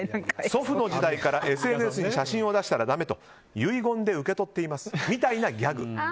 祖父の時代からＳＮＳに写真を出したらだめと遺言で受け取っていますみたいなギャグ。